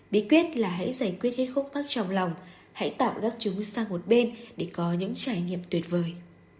bí quyết là hãy giải quyết hết khúc pháp trong lòng hãy tạo gác chúng sang một bên để có những trải nghiệm tuyệt vời